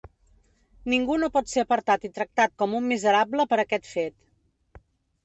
Ningú no pot ser apartat i tractat com un miserable per aquest fet.